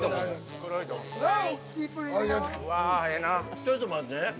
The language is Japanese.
ちょっと待ってね。